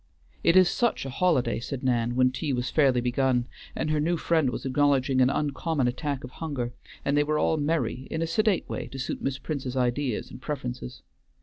"It is such a holiday," said Nan, when tea was fairly begun, and her new friend was acknowledging an uncommon attack of hunger, and they were all merry in a sedate way to suit Miss Prince's ideas and preferences.